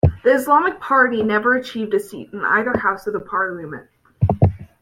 The Islamic Party never achieved a seat in either house of Parliament.